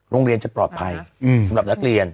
โรงเรียนจะปลอดภัยสำหรับนักเรียน